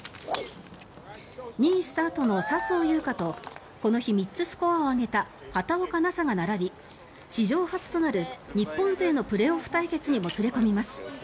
２位スタートの笹生優花とこの日３つスコアを上げた畑岡奈紗が並び史上初となる日本勢のプレーオフ対決にもつれ込みます。